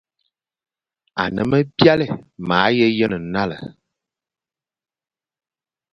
Ane me byalé, ma he yen nale,